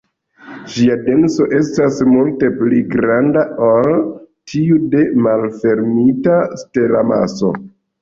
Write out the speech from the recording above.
Ĝia denso estas multe pli granda ol tiu de malfermita stelamaso.